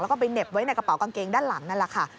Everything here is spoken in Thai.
แล้วก็ไปเหน็บไว้ในกระเป๋ากางเกงด้านหลังนั่นแหละค่ะ